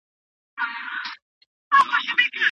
د ځمکې بهرنۍ برخه یا جو د یو پیاوړي سپر په څېر کار کوي.